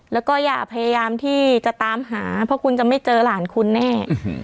แล้วก็อย่าพยายามที่จะตามหาเพราะคุณจะไม่เจอหลานคุณแน่